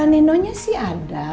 nino nya sih ada